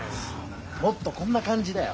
もっとこんな感じだよ。